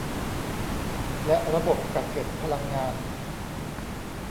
และระบบกักเก็บพลังงาน